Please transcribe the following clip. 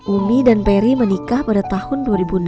umi dan peri menikah pada tahun dua ribu enam